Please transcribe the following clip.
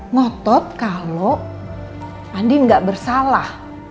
ngotot kalau andin gak bersalah